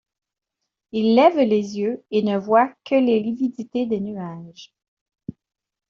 Il lève les yeux et ne voit que les lividités des nuages.